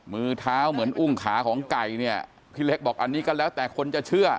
มือเท้าเหมือนอุ้งขาของไก่เนี่ยพี่เล็กบอกอันนี้ก็แล้วแต่คนจะเชื่อ